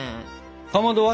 かまどは？